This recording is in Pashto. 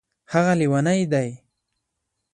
هغه لیونی دی